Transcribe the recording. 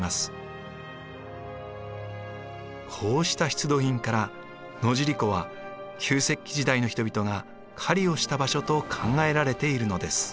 こうした出土品から野尻湖は旧石器時代の人々が狩りをした場所と考えられているのです。